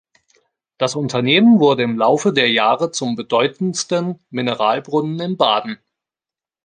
Das Unternehmen wurde im Laufe der Jahre zum bedeutendsten Mineralbrunnen in Baden.